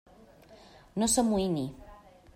No s'amoïni.